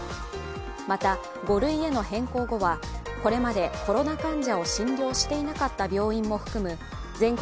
また、５類への変更後はこれまでコロナ患者も診療していなかった病院も含む全国